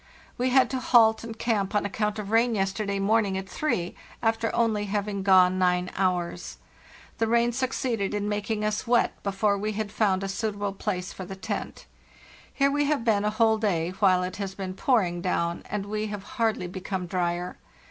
We had to halt and camp on account of rain yesterday morning at three, after only having gone nine hours, The rain succeeded in making us wet before we had found a suitable place for the tent. Here we have been a whole day while it has been pouring down, and we have hardly become drier.